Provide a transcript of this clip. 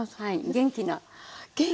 元気な。